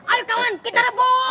ayo teman kita rebut